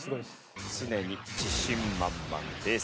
常に自信満々冷静です。